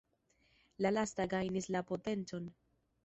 La lasta gajnis la potencon.